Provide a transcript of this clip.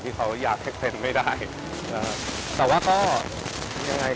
คือเราคุยกันเหมือนเดิมตลอดเวลาอยู่แล้วไม่ได้มีอะไรสูงแรง